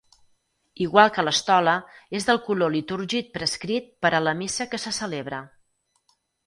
Igual que l'estola, és del color litúrgic prescrit per a la Missa que se celebra.